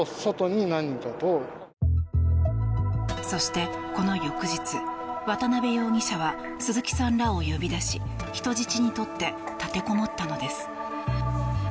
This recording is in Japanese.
そして、この翌日渡邊容疑者は鈴木さんらを呼び出し人質に取って立てこもったのです。